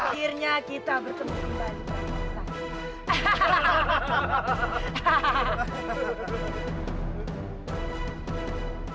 akhirnya kita bertemu kembali